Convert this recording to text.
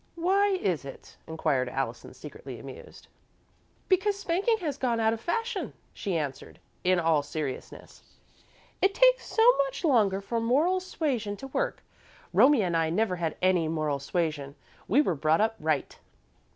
"Why is it?" inquired Allison, secretly amused. "Because spanking has gone out of fashion," she answered, in all seriousness. "It takes so much longer for moral suasion to work. Romie and I never had any 'moral suasion,' we were brought up right."